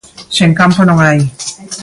Sen campo non hai.